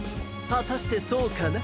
はたしてそうかな？